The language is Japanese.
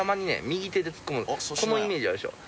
このイメージあるでしょ？